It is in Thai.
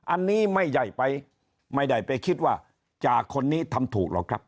อันนี้ไม่ได้ไปไม่ได้ไปคิดว่าจากคนนี้ทำถูกหรอกครับ